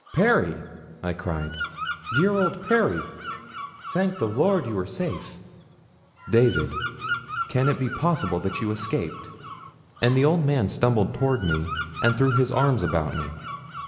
"Perry!" I cried. "Dear old Perry! Thank the Lord you are safe." "David! Can it be possible that you escaped?" And the old man stumbled toward me and threw his arms about me.